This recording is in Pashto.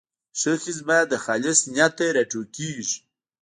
ښه خدمت د خالص نیت نه راټوکېږي.